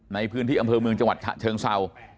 ในพื้นที่อำเภอเมืองจังหวัดฉะเชิงเศร้า